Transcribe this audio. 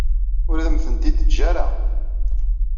Ur am-tent-id-teǧǧa ara.